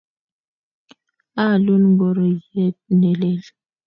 Aalun ngoryet ne lel.